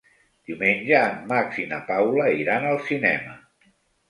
Diumenge en Max i na Paula iran al cinema.